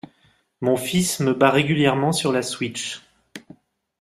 Mon fils me bat régulièrement sur la Switch.